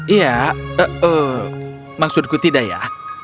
ya maksudku tidak ya